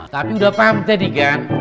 tapi udah paham tadi kan